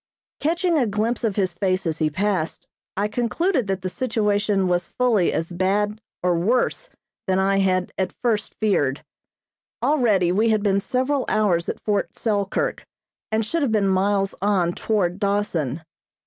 Catching a glimpse of his face as he passed, I concluded that the situation was fully as bad or worse than I had at first feared. Already we had been several hours at Fort Selkirk and should have been miles on toward Dawson.